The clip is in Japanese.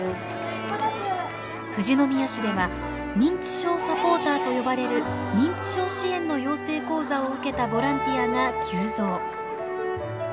富士宮市では認知症サポーターと呼ばれる認知症支援の養成講座を受けたボランティアが急増。